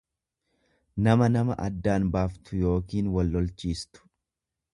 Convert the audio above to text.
nama nama addaan baaftu yookiin wal lolchiistu.